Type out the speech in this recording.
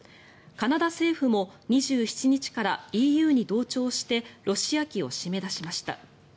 カナダ政府も２７日からＥＵに同調してロシア機を締め出しました。